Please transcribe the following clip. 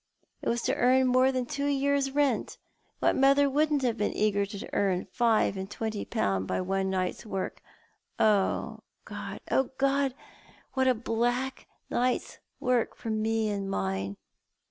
It was to earn more than two years' rent. What mother wouldn't have been eager to earn five and twenty pound by one night's work? Oh, God! oh, God! what a black night's work for me and mine